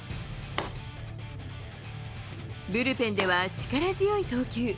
ブルペンでは力強い投球。